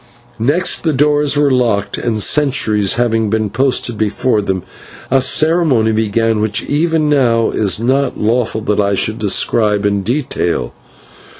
Next the doors were locked, and, sentries having been posted before them, a ceremony began, which even now it is not lawful that I should describe in detail.